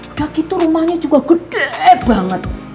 udah gitu rumahnya juga gede banget